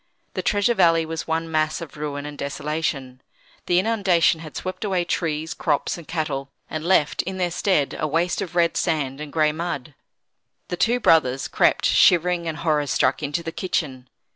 The Treasure Valley was one mass of ruin and desolation. The inundation had swept away trees, crops, and cattle, and left, in their stead, a waste of red sand and gray mud. The two brothers crept, shivering and horror struck, into the kitchen.